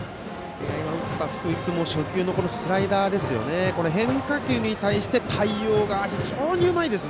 今、打った福井君も初球のスライダーこの変化球に対して対応が非常にうまいです。